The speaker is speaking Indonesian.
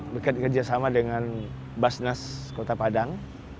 bekerja sama dengan basnas kota padang